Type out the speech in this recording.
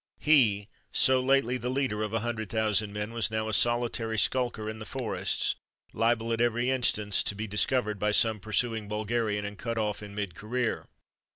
He, so lately the leader of a hundred thousand men, was now a solitary skulker in the forests, liable at every instant to be discovered by some pursuing Bulgarian, and cut off in mid career.